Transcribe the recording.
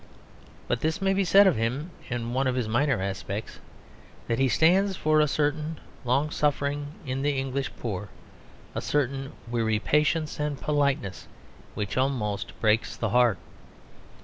But this may be said of him in one of his minor aspects, that he stands for a certain long suffering in the English poor, a certain weary patience and politeness which almost breaks the heart.